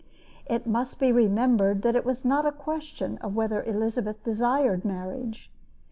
It must be remembered that it was not a question of whether Elizabeth desired marriage.